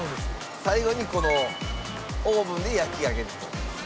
最後にこのオーブンで焼き上げると。